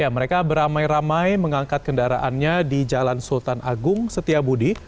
mereka beramai ramai mengangkat kendaraannya di jalan sultan agung setiabudi